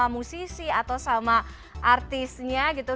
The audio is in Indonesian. musisi atau sama artisnya gitu